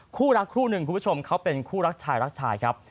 คู่รักคู่หนึ่งคุณผู้ชมเขาเป็นคู่รักชายรักชายครับ